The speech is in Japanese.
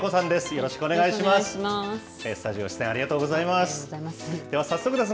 よろしくお願いします。